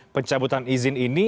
pencabutan izin ini